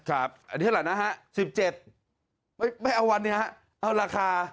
ครับอันนี้เท่าไหร่นะครับ๑๗ไม่เอาวันนี้นะครับเอาราคา